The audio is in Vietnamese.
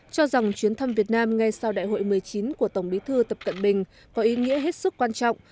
cho rằng chuyến thăm việt nam ngay sau đại hội một mươi chín của tổng bí thư tập cận bình có ý nghĩa hết sức quan trọng